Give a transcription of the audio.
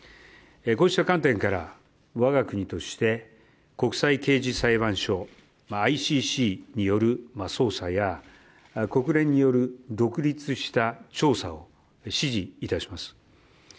こうした観点から我が国として国際刑事裁判所、ＩＣＣによる捜査や、国連による独立した調査を支持いたします。